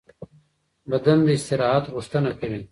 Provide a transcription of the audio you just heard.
بدن د استراحت غوښتنه کوي.